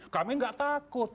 kami nggak takut